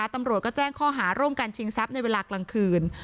ตำรวจก็แจ้งข้อหาร่วมกันชิงทรัพย์ในเวลากลางคืน